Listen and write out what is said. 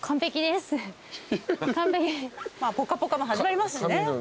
まあ『ぽかぽか』も始まりますしね。